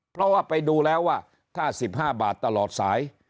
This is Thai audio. เพราะว่าไปดูแล้วว่าถ้า๑๕บาทตลอดสาย